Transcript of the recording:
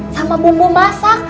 sama bumbu masak